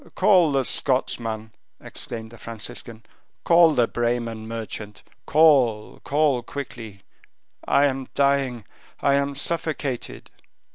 "Call the Scotchman!" exclaimed the Franciscan; "call the Bremen merchant. Call, call quickly. I am dying. I am suffocated."